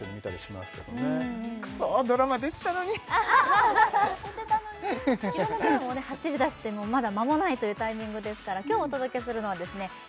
いろんなドラマもね走りだしてまだ間もないというタイミングですから今日お届けするのはですね